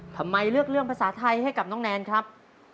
ทำไมเลือกเรื่องภาษาไทยให้กับน้องแนนครับ